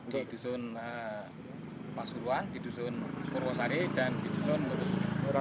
di dusun pasuruan di dusun purwosari dan di dusun terus